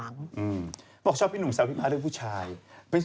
นรกรรมราชฉวาง